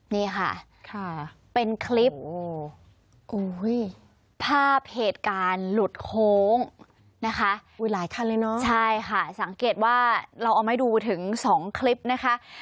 นี่ค่ะเป็นคลิปภาพเหตุการณ์หลุดโค้งนะคะสังเกตว่าเราเอามาให้ดูถึง๒คลิปนะคะ